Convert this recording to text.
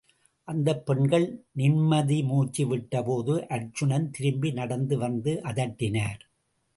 அந்தப் பெண்கள் நிம்மதி மூச்சு விட்டபோது, அர்ச்சுனன், திரும்பி நடந்து வந்து அதட்டினார்.